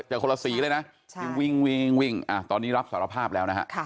คนละสีเลยนะที่วิ่งตอนนี้รับสารภาพแล้วนะฮะ